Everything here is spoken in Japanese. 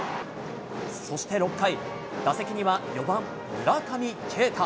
そして６回、打席には４番村上慶太。